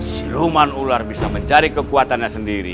si luman ular bisa mencari kekuatannya sendiri